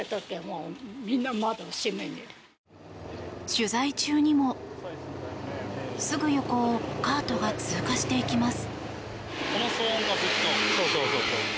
取材中にも、すぐ横をカートが通過していきます。